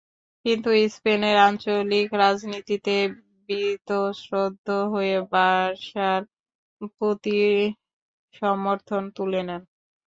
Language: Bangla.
কিন্তু স্পেনের আঞ্চলিক রাজনীতিতে বীতশ্রদ্ধ হয়ে বার্সার প্রতি সমর্থন তুলে নেন।